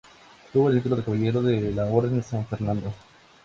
Tuvo el título de caballero de la Orden de San Fernando.